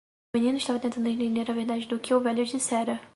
O menino estava tentando entender a verdade do que o velho dissera.